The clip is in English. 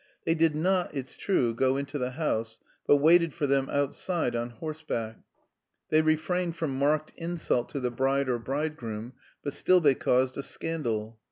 They did not, it's true, go into the house, but waited for them outside, on horseback. They refrained from marked insult to the bride or bridegroom, but still they caused a scandal.